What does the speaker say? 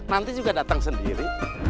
nanti juga datang sendiri